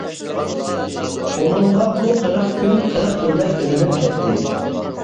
ئۇنىڭغا بۇ قىرىق كۈن قىرىق يىلدەك بىلىنىپ كەتتى.